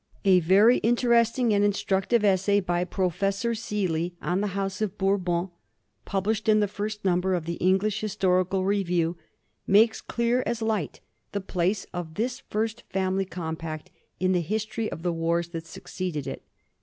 A very in teresting and instructive essay by Professor Seely on the House of Bourbon, published in the first number of the English Historical JReview, makes clear as light the place of this first family compact in the history of the wars that succeeded it.